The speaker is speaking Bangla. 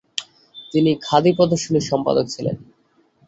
তিনি খাদি প্রদশর্নীর সম্পাদক ছিলেন।